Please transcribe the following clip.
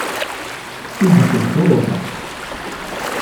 Ibec deffir uxxam.